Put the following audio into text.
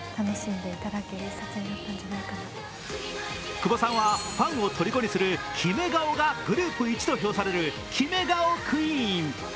久保さんはファンを虜にするキメ顔がグループ一と表されるキメ顔クイーン。